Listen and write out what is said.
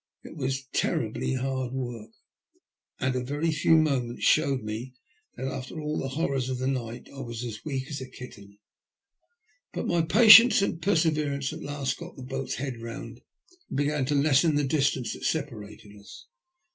It was terribly hard work, and a very few moments showed me that after all the horrors of the night I was as weak as a kitten. But by patience and per THE SALVAGBS. 157 Boverance I at last got the boat's head round and began to lessen the distance that separated us.